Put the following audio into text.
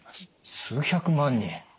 数百万人！